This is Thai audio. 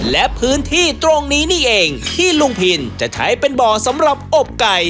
และพื้นที่ตรงนี้นี่เองที่ลุงพินจะใช้เป็นบ่อสำหรับอบไก่